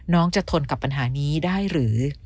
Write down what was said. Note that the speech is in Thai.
น้องจะทนกับปัญหานี้ได้หรือ